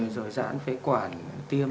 rồi giãn phế quản tiêm